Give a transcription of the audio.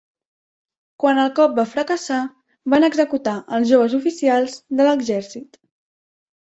Quan el cop va fracassar, van executar els joves oficials de l'exèrcit.